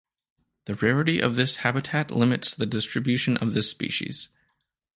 The rarity of this habitat limits the distribution of this species.